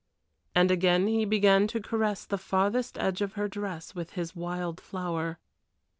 And again he began to caress the farthest edge of her dress with his wild flower.